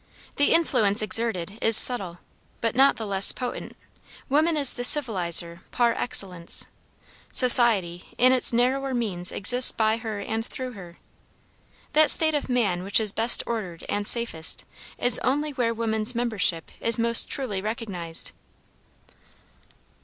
The influence exerted is subtle, but not the less potent. Woman is the civilizer par excellence. Society in its narrower meaning exists by her and through her. That state of man which is best ordered and safest, is only where woman's membership is most truly recognized.